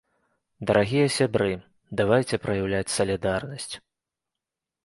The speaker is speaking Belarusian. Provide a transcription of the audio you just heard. Дарагія сябры, давайце праяўляць салідарнасць!